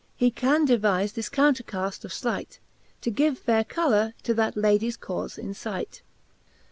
He can devize this counter caft of flight. To give faire colour to that Ladies cauie in fight.